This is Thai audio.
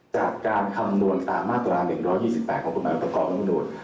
การคำนวณตามมาตรา๑๒๘ของกฎหมายประกอบคำนวณ